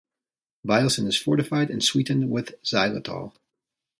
Viocin is fortified and sweetened with Xylitol.